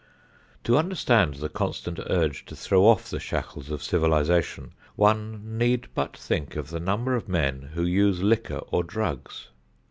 To understand the constant urge to throw off the shackles of civilization, one need but think of the number of men who use liquor or drugs.